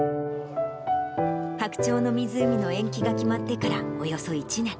白鳥の湖の延期が決まってからおよそ１年。